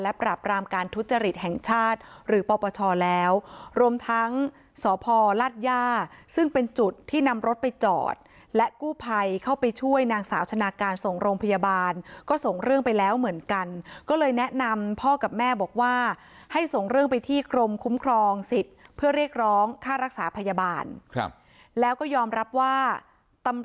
ปราบรามการทุจริตแห่งชาติหรือปปชแล้วรวมทั้งสพลาดย่าซึ่งเป็นจุดที่นำรถไปจอดและกู้ภัยเข้าไปช่วยนางสาวชนะการส่งโรงพยาบาลก็ส่งเรื่องไปแล้วเหมือนกันก็เลยแนะนำพ่อกับแม่บอกว่าให้ส่งเรื่องไปที่กรมคุ้มครองสิทธิ์เพื่อเรียกร้องค่ารักษาพยาบาลครับแล้วก็ยอมรับว่าตำ